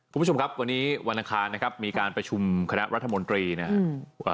คุณผู้ชมครับวันนี้วันอังคารนะครับมีการประชุมคณะรัฐมนตรีนะครับ